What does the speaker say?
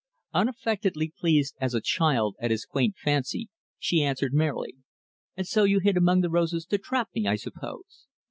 Unaffectedly pleased as a child at his quaint fancy, she answered merrily, "And so you hid among the roses to trap me, I suppose."